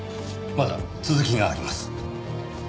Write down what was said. まだ続きがあります。